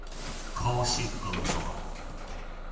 可視光線